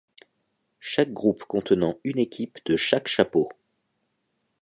Chaque groupe contenant une équipe de chaque chapeau.